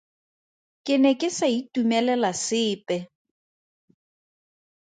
Ke ne ke sa itumelela sepe.